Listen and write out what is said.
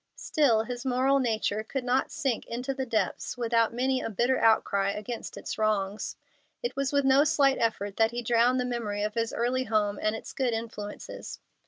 Still his moral nature could not sink into the depths without many a bitter outcry against its wrongs. It was with no slight effort that he drowned the memory of his early home and its good influences.